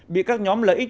bị các nhóm lợi ích